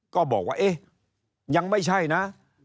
ก็บอกว่าเอ๊ะยังไม่ใช่นะ